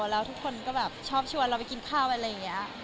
แล้วทุกคนก็แบบชอบชวนเราไปกินข้าวอะไรอย่างนี้